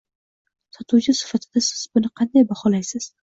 Sotuvchi sifatida siz buni qanday baholaysiz?